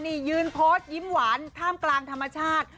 นี่ยืนโพสต์ยิ้มหวานท่ามกลางธรรมชาติ